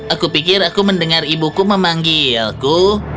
aku pikir aku mendengar ibuku memanggilku